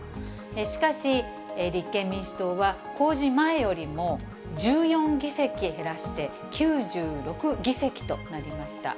しかし、立憲民主党は公示前よりも１４議席減らして９６議席となりました。